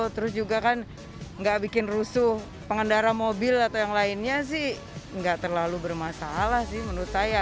terus juga kan nggak bikin rusuh pengendara mobil atau yang lainnya sih nggak terlalu bermasalah sih menurut saya